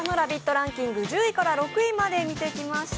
ランキング、１０位から６位まで見てきました。